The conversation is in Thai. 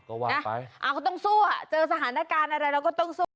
ก็ว่าไปอ่าก็ต้องสู้อ่ะเจอสถานการณ์อะไรเราก็ต้องสู้